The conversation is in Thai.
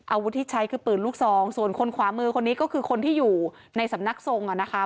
อาวุธที่ใช้คือปืนลูกซองส่วนคนขวามือคนนี้ก็คือคนที่อยู่ในสำนักทรงอ่ะนะคะ